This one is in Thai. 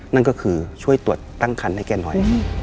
นั่นก็คือช่วยตรวจตั้งคันให้แกหน่อย